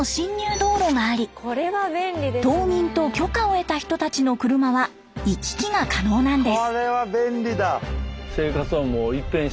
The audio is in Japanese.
道路があり島民と許可を得た人たちの車は行き来が可能なんです。